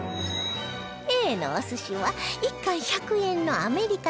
Ａ のお寿司は１貫１００円のアメリカナマズ